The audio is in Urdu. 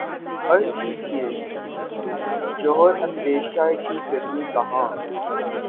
عرض کیجے جوہر اندیشہ کی گرمی کہاں